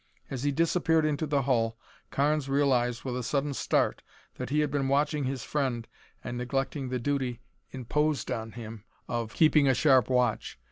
As he disappeared into the hull, Carnes realized with a sudden start that he had been watching his friend and neglecting the duty imposed on him of keeping a sharp watch.